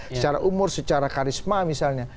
secara umur secara karisma misalnya